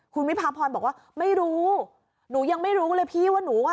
คุณวิพาพรบอกว่าไม่รู้หนูยังไม่รู้เลยพี่ว่าหนูอ่ะ